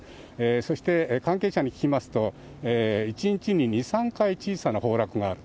そして、関係者に聞きますと、１日に２、３回小さな崩落がある。